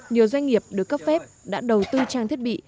nhiều doanh nghiệp được cấp phép đã đầu tư trang thiết bị